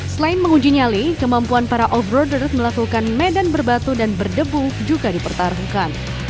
selain menguji nyali kemampuan para off roader melakukan medan berbatu dan berdebu juga dipertaruhkan